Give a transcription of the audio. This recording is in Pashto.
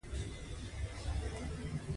په دې وسایلو سره موږ اومه تیل بدلولی شو.